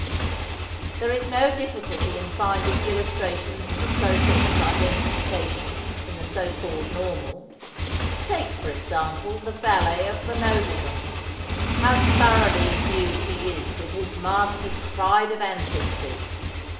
There is no difficulty in finding illustrations of the process of identification in the so called normal. Take, for example, the valet of the nobleman. How thoroughly imbued he is with his master's pride of ancestry!